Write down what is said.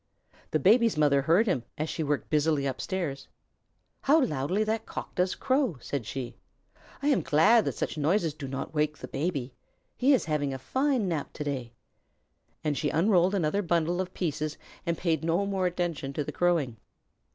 The Baby's mother heard him as she worked busily upstairs. "How loudly that Cock does crow!" said she. "I am glad that such noises do not wake the Baby. He is having a fine nap to day." Then she unrolled another bundle of pieces and paid no more attention to the crowing.